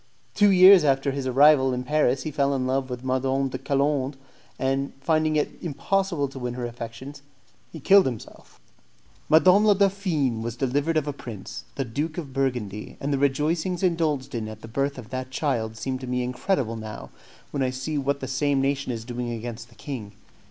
Two years after his arrival in Paris he fell in love with Madame de Colande, and, finding it impossible to win her affections, he killed himself. Madame la Dauphine was delivered of a prince, the Duke of Burgundy, and the rejoicings indulged in at the birth of that child seem to me incredible now, when I see what the same nation is doing against the king.